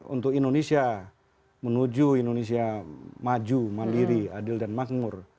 untuk indonesia menuju indonesia maju mandiri adil dan makmur